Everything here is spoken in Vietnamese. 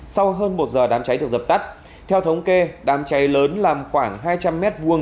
sau hơn một giờ đám cháy được dập tắt theo thống kê đám cháy lớn làm khoảng hai trăm linh m hai